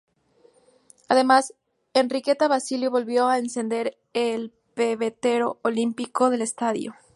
Además, Enriqueta Basilio volvió a encender el pebetero olímpico del estadio.